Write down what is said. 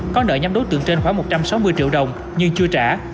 có nợ nhóm đối tượng trên khoảng một trăm sáu mươi triệu đồng nhưng chưa trả